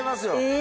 え！